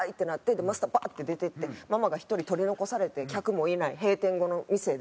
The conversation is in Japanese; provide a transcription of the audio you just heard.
でマスターバッて出て行ってママが１人取り残されて客もいない閉店後の店で。